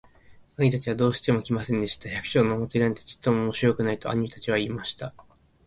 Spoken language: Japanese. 兄たちはどうしても来ませんでした。「百姓のお祭なんてちっとも面白くない。」と兄たちは言いました。